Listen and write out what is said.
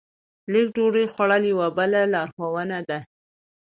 لږه ډوډۍ خوړل یوه بله لارښوونه ده.